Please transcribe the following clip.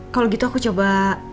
kalau gitu aku coba